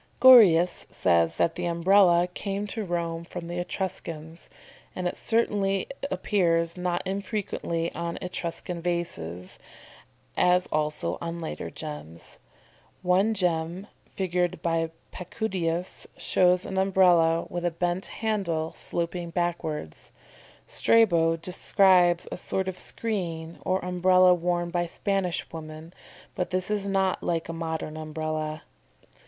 "] Gorius says that the Umbrella came to Rome from the Etruscans, and certainly it appears not infrequently on Etruscan vases, as also on later gems. One gem, figured by Pacudius, shows an Umbrella with a bent handle, sloping backwards. Strabo describes a sort of screen or Umbrella worn by Spanish women, but this is not like a modern Umbrella.